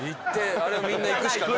あれはみんな行くしかない。